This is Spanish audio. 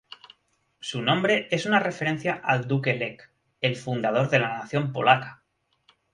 Su nombre es una referencia al duque Lech, el fundador de la nación polaca.